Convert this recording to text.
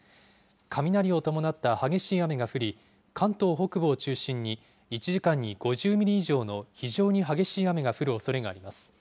雷を伴った激しい雨が降り、関東北部を中心に、１時間に５０ミリ以上の非常に激しい雨が降るおそれがあります。